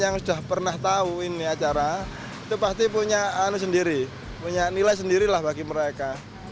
yang sudah pernah tahu ini acara itu pasti punya anu sendiri punya nilai sendiri lah bagi mereka